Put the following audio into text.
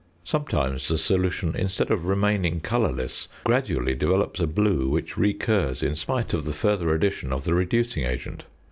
Sometimes the solution, instead of remaining colourless, gradually develops a blue which recurs in spite of the further addition of the reducing agent.